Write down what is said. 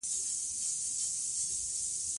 د پښتو ژبې لپاره یو قاموس جوړول ډېر مهم دي.